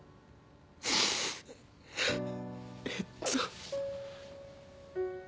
えっと。